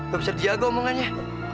lebih serjaga omongannya